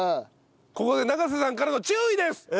ここで長瀬さんからの注意です！